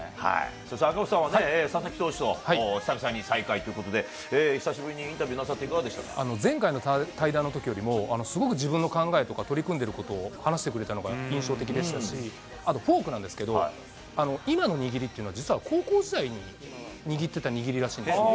そして赤星さんは、佐々木投手と久々に再会ということで、久しぶりにインタビューな前回の対談のときよりも、すごく自分の考えとか、取り組んでることを話してくれたのが、印象的でしたし、あと、フォークなんですけど、今の握りっていうのは、実は高校時代に握ってた握りらしいんですよ。